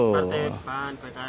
partai pan pks